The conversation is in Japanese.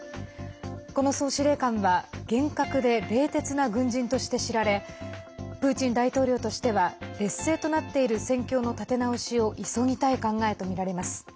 この総司令官は厳格で冷徹な軍人として知られプーチン大統領としては劣勢となっている戦況の立て直しを急ぎたい考えとみられます。